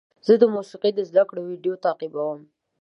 زه د موسیقۍ د زده کړې ویډیو تعقیبوم.